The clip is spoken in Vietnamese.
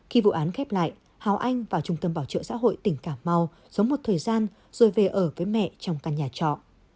khi vụ án khép lại hào anh vào trung tâm bảo trợ xã hội tỉnh cà mau sống một thời gian rồi về ở với mẹ trong căn nhà trọ